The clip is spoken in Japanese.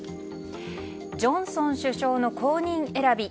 ジョンソン首相の後任選び